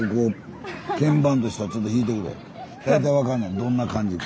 大体分かんねんどんな感じか。